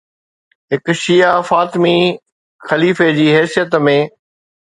هڪ شيعه فاطمي خليفي جي حيثيت ۾